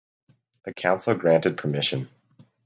The council granted permission.